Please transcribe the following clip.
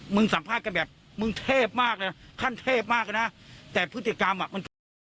สัมภาษณ์กันแบบมึงเทพมากเลยขั้นเทพมากนะแต่พฤติกรรมอ่ะมันคือ